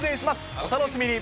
お楽しみに。